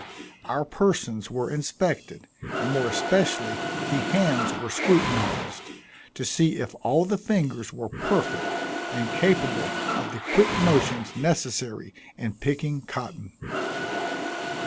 Our persons were inspected, and more especially the hands were scrutinized, to see if all the fingers were perfect, and capable of the quick motions necessary in picking cotton.